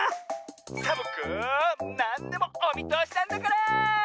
サボ子なんでもおみとおしなんだから！